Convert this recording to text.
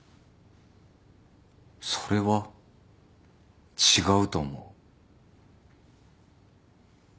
それは違うと思う。